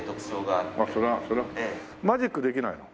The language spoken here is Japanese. マジックできないの？